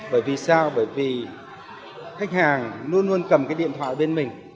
bởi vì sao bởi vì khách hàng luôn luôn cầm cái điện thoại bên mình